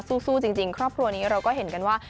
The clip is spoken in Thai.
สู้จริงครอบครัวนี้เราก็เห็นกันว่า